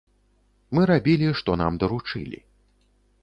Мы рабілі, што нам даручылі.